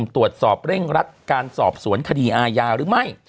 ตรวจสอบเร่งรัดการสอบสวนคดีอาญาหรือไม่